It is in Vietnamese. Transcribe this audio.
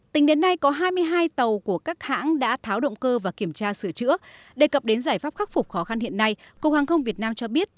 tính đến nay có hai mươi hai tàu của các hãng đã tháo động cơ và kiểm tra sửa chữa đề cập đến giải pháp khắc phục khó khăn hiện nay cục hàng không việt nam cho biết